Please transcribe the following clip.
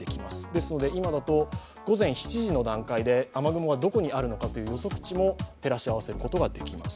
ですので今だと午前７時の段階で雨雲がどこにあるのかという予測値も照らし合わせることができます。